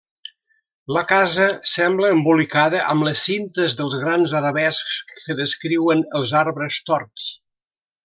La casa sembla embolicada amb les cintes dels grans arabescs que descriuen els arbres torts.